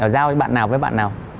giao cho bạn nào với bạn nào